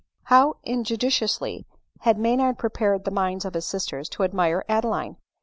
How injudiciously had Maynard prepared the minds of his sisters to admire Adeline